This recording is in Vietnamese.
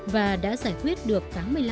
và đã giải quyết được tám mươi năm